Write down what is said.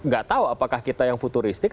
gatau apakah kita yang futuristik